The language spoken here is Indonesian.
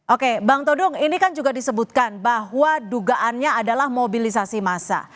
oke bang todung ini kan juga disebutkan bahwa dugaannya adalah mobilisasi massa